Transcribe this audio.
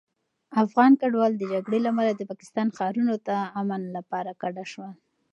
افغان کډوال د جګړې له امله د پاکستان ښارونو ته امن لپاره کډه شول.